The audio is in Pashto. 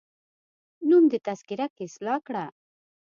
نوم دي تذکره کي اصلاح کړه